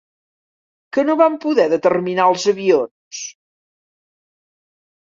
Què no van poder determinar els avions?